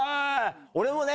俺もね